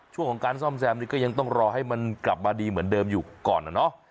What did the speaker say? ช่วงของการซ่อมแซมนี่ก็ยังต้องรอให้มันกลับมาดีเหมือนเดิมอยู่ก่อนนะเนาะ